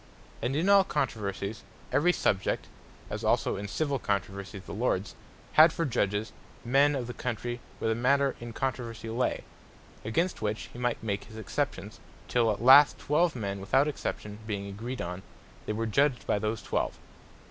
And in all controversies, every Subject (as also in civill controversies the Lords) had for Judges, men of the Country where the matter in controversie lay; against which he might make his exceptions, till at last Twelve men without exception being agreed on, they were Judged by those twelve.